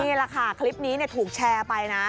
นี่แหละค่ะคลิปนี้ถูกแชร์ไปนะ